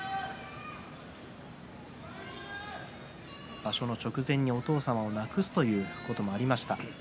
場所の直前にお父様を亡くすということもありました。